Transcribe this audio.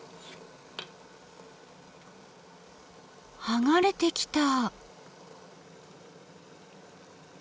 剥がれてきた。